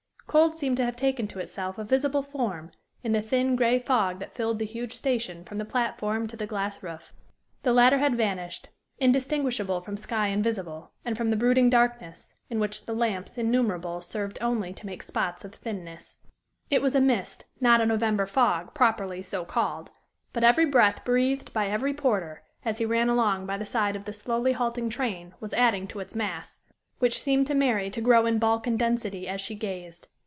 Cold seemed to have taken to itself a visible form in the thin, gray fog that filled the huge station from the platform to the glass roof. The latter had vanished, indistinguishable from sky invisible, and from the brooding darkness, in which the lamps innumerable served only to make spots of thinness. It was a mist, not a November fog, properly so called; but every breath breathed by every porter, as he ran along by the side of the slowly halting train, was adding to its mass, which seemed to Mary to grow in bulk and density as she gazed.